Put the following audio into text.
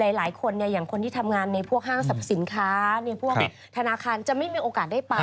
หลายคนเนี่ยอย่างคนที่ทำงานในพวกห้างสรรพสินค้าในพวกธนาคารจะไม่มีโอกาสได้ไป